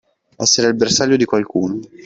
Essere il bersaglio di qualcuno.